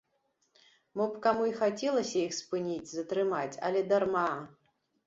Мо б каму й хацелася іх спыніць, затрымаць, але дарма!